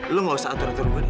kau gak usah atur atur gue deh